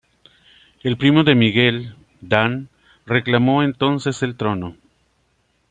El primo de Miguel, Dan, reclamó entonces el trono.